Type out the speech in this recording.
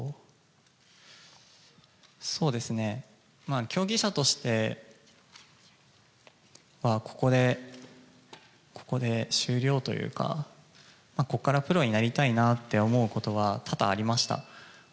そうですね、競技者としてはここで、ここで終了というか、ここからプロになりたいなって思うことは多々ありました。